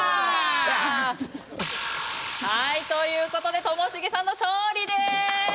はいという事でともしげさんの勝利です！